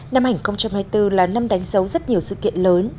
năm hai nghìn hai mươi bốn là năm đánh dấu rất nhiều sự kiện lớn